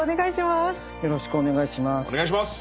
よろしくお願いします。